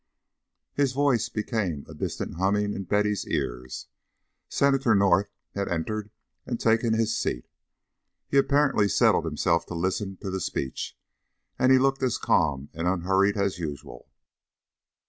His voice became a distant humming in Betty's ears. Senator North had entered and taken his seat. He apparently settled himself to listen to the speech, and he looked as calm and unhurried as usual.